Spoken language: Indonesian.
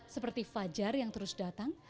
seperti fajar yang terus datang